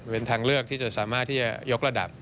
เป็นทางเลือกที่จะสามารถที่จะยกระดับ